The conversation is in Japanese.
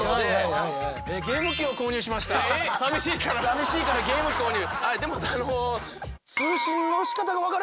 さみしいからゲーム機購入。